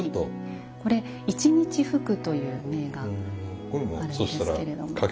これ「一日福」という銘があるんですけれども。